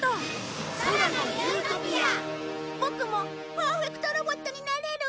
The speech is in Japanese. ボクもパーフェクトロボットになれる？